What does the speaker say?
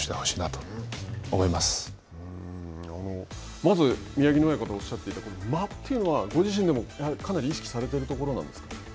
まず、宮城野親方がおっしゃっていた間というのはご自身でも意識されているところなんですか。